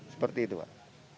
seperti itu pak